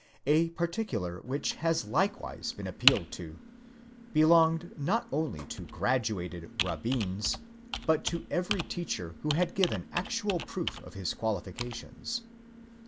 a particular which has likewise been appealed to, belonged not only to graduated rabbins, but to every teacher who had given actual proof of his qualifications.